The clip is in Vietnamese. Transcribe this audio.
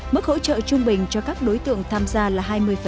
mức hỗ trợ trung bình cho các đối tượng tham gia là hai mươi